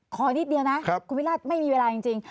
ขอนิดเดียวนะครับคุณวิทยาลัยไม่มีเวลาจริงจริง